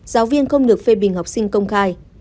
giáo viên không được phê bình học sinh công khai